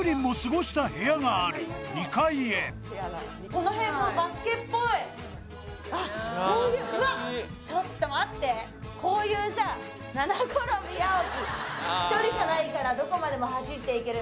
そしてこのへんもバスケっぽいあっこういううわちょっと待ってこういうさ七転び八起き「一人じゃないからどこまでも走っていける」